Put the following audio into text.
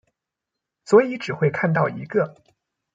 所以只會看到一個